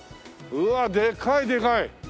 うわっでかいでかい。